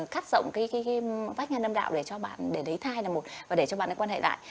cắt rộng cái vách nhan âm đạo để cho bạn ấy lấy thai là một và để cho bạn ấy quan hệ lại